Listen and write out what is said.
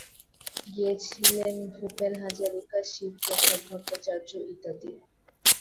গেয়েছিলেন ভূপেন হাজারিকা, শিবপ্রসাদ ভট্টাচার্য ইত্যাদি।